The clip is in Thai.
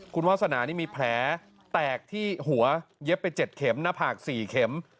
คุณวาสนานี่มีแผลแตกที่หัวเย็บไป๗เข็มหน้าผาก๔เข็ม